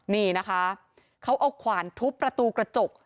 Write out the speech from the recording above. นี่นะคะเขาเอาขวานทุบประตูกระจก